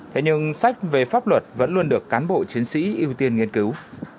thế nhưng sách về pháp luật vẫn luôn được cán bộ chiến sĩ ưu tiên nghiên cứu